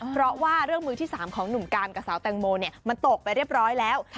เพราะว่าเรื่องมือที่๓ของหนุ่มการกับสาวแตงโมมันตกไปเรียบร้อยแล้ว